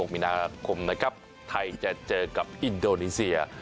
มีนาคมนะครับไทยจะเจอกับอินโดนีเซีย